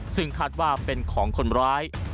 ซึ่งคาดว่าเป็นของคนร้าย